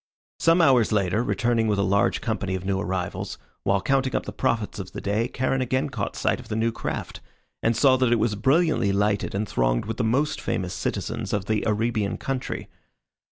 Some hours later, returning with a large company of new arrivals, while counting up the profits of the day Charon again caught sight of the new craft, and saw that it was brilliantly lighted and thronged with the most famous citizens of the Erebean country.